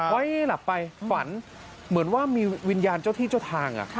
หลับไปฝันเหมือนว่ามีวิญญาณเจ้าที่เจ้าทาง